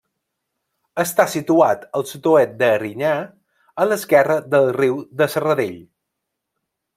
Està situat al sud-oest d'Erinyà, a l'esquerra del riu de Serradell.